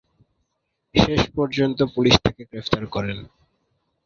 শেষ পর্যন্ত পুলিশ তাঁকে গ্রেফতার করেন।